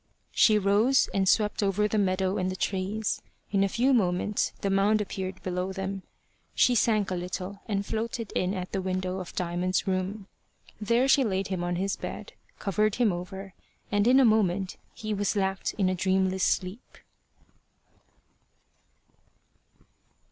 She rose, and swept over the meadow and the trees. In a few moments the Mound appeared below them. She sank a little, and floated in at the window of Diamond's room. There she laid him on his bed, covered him over, and in a moment he was lapt in a dreamless sleep.